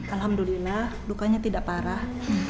alhamdulillah lukanya tidak parah